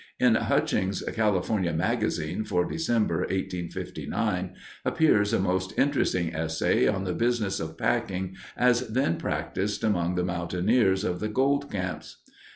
In Hutchings' California Magazine for December, 1859, appears a most interesting essay on the business of packing as then practiced among the mountaineers of the gold camps.